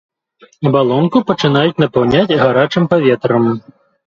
Абалонку пачынаюць напаўняць гарачым паветрам.